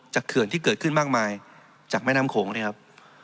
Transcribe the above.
เขื่อนที่เกิดขึ้นมากมายจากแม่น้ำโขงเนี่ยครับ